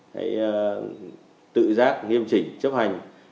hãy tự giác nghiêm chỉnh chấp hành